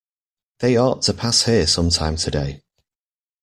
They ought to pass here some time today.